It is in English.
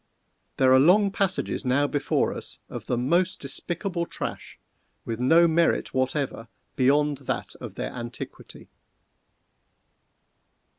There are long passages now before us of the most despicable trash, with no merit whatever beyond that of their antiquity.